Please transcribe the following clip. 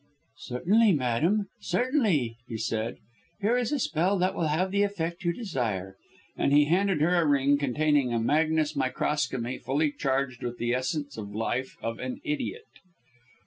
"Certainly, madam, certainly," he said, "here is a spell that will have the effect you desire," and he handed her a ring containing a magnes microcosmi fully charged with the essence of life of an idiot.